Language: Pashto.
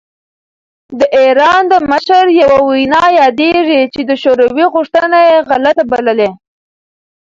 د ایران د مشر یوه وینا یادېږي چې د شوروي غوښتنه یې غلطه بللې.